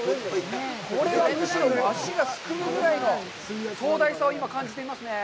これはむしろ足がすくむぐらいの壮大さを今、感じてますね。